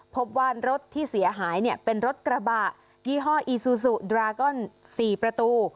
พบว่ารถที่เสียหายเนี่ยเป็นรถกระบะยี่ห้ออีซูซูดรากอน๔ประตู